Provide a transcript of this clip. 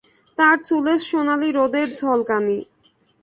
তার চুলে সোনালি রোদের ঝলকানি।